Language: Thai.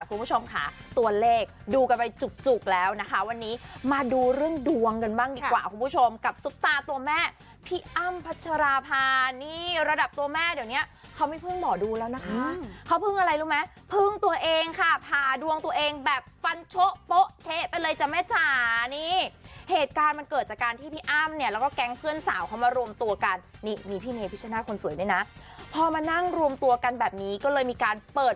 คุณผู้ชมค่ะตัวเลขดูกันไปจุกแล้วนะคะวันนี้มาดูเรื่องดวงกันบ้างดีกว่าคุณผู้ชมกับซุปตาตัวแม่พี่อ้ำพัชราพานี่ระดับตัวแม่เดี๋ยวเนี้ยเขาไม่เพิ่งหม่อดูแล้วนะคะเขาเพิ่งอะไรรู้ไหมเพิ่งตัวเองค่ะผ่าดวงตัวเองแบบฟันโช๊ะโป๊ะเช๊ะไปเลยจ้ะแม่จ๋านี่เหตุการณ์มันเกิดจากการที่พี่อ้ำเนี่ยแล